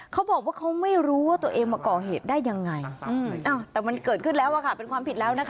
เขาบอกว่าเขาไม่รู้ว่าตัวเองมาก่อเหตุได้ยังไงแต่มันเกิดขึ้นแล้วค่ะเป็นความผิดแล้วนะคะ